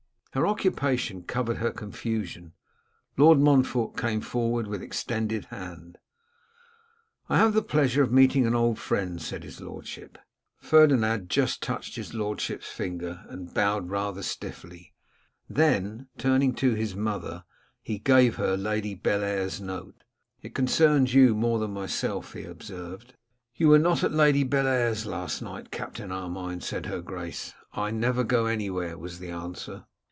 Her occupation covered her confusion. Lord Montfort came forward with extended hand. 'I have the pleasure of meeting an old friend,' said his lordship. Ferdinand just touched his lordship's finger, and bowed rather stiffly; then, turning to his mother, he gave her Lady Bellair's note. 'It concerns you more than myself,' he observed. 'You were not at Lady Bellair's last night, Captain Armine,' said her Grace. 'I never go anywhere,' was the answer.